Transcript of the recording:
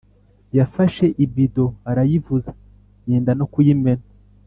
Yafashe ibido arayivuza yenda no kuyimena